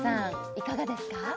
いかがですか？